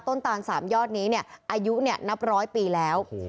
ต้นตาน๓ยอดนี้เนี่ยอายุเนี่ยนับร้อยปีแล้ว